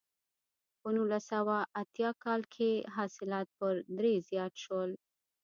په نولس سوه څلور اتیا کال کې حاصلات یو پر درې زیات شول.